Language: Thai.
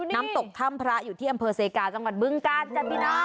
น้ำตกถ้ำพระอยู่ที่อำเภอเซกาจังหวัดบึงกาลจ้พี่น้อง